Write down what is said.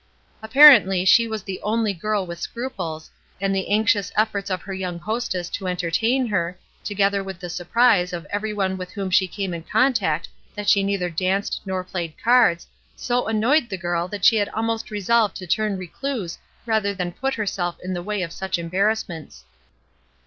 Appa rently she was the only girl with scruples, and the anxious efforts of her young hostess to enter tain her, together with the surprise of every one SCRUPLES 95 with whom she came in contact that she neither danced nor played cards, so annoyed the girl that she had almost resolved to turn recluse rather than put herself in the way of such embarrassments.